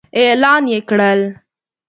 اعلان يې کړل.